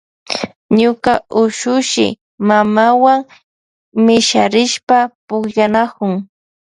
Ñuka ushushi mamawan misharishpa pukllanakun.